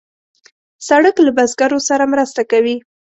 سړک له بزګرو سره مرسته کوي.